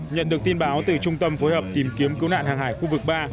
nhận được tin báo từ trung tâm phối hợp tìm kiếm cứu nạn hàng hải khu vực ba